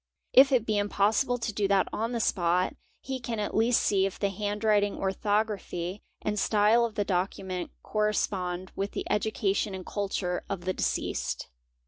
If it : be impossible to do that on the spot, he can at least see if the handwriting, orthography, and style of the document correspond with the education and _ culture of the deceased.